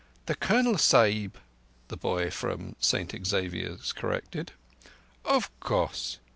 "The Colonel Sahib," the boy from St Xavier's corrected. "Of course.